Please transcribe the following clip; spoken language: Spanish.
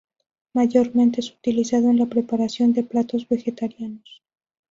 Mayormente es utilizado en la preparación de platos vegetarianos.